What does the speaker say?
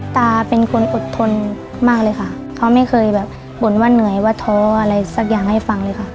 ตาเป็นคนอดทนมากเลยค่ะเขาไม่เคยแบบบ่นว่าเหนื่อยว่าท้ออะไรสักอย่างให้ฟังเลยค่ะ